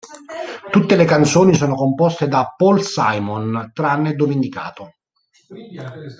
Tutte le canzoni sono composte da Paul Simon, tranne dove indicato.